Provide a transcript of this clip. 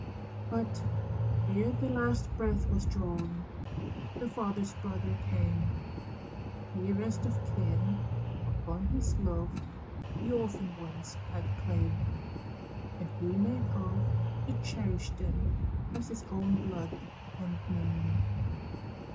But, ere the latest breath was drawn, The father's brother came Nearest of kin, upon whose love The orphaned ones had claim And he made oath to cherish them As his own blood and name.